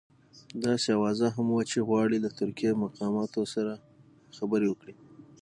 داسې اوازه هم وه چې غواړي له ترکي مقاماتو سره خبرې وکړي.